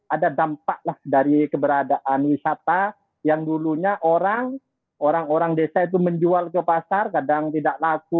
ada dampak lah dari keberadaan wisata yang dulunya orang orang desa itu menjual ke pasar kadang tidak laku